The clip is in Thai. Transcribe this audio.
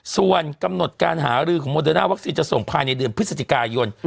ส่วนกำหนดการหารือของโมเดอร์น่าวัคซีนจะส่งภายในเดือนพฤศจิกายน